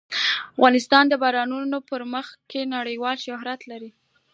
افغانستان د بارانونو په برخه کې نړیوال شهرت لري.